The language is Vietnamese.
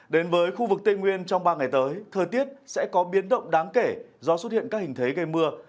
đến với khu vực tây nguyên trong ba ngày tới thời tiết sẽ có biến động đáng kể do xuất hiện các hình thế gây mưa